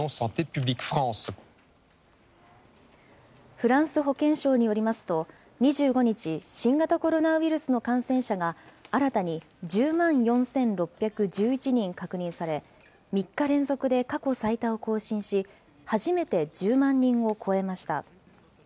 フランス保健省によりますと、２５日、新型コロナウイルスの感染者が、新たに１０万４６１１人確認され、３日連続で過去最多を更新し、初めて１０万人を超えました。